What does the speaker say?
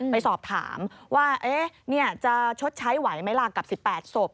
ไปสอบถามว่าจะชดใช้ไหวไหมล่ะกับ๑๘ศพ